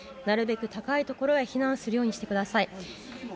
なるべく高いところへ避難するようにしてください。